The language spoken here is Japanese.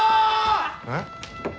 えっ？